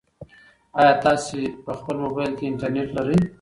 ایا تاسي په خپل موبایل کې انټرنيټ لرئ؟